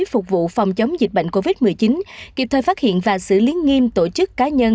phục vụ phòng chống dịch bệnh covid một mươi chín kịp thời phát hiện và xử lý nghiêm tổ chức cá nhân